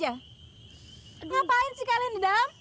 ngapain sih kalian dam